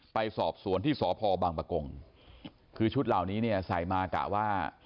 ไปสอบสวนที่สพบังปะกงคือชุดเหล่านี้เนี่ยใส่มากะว่า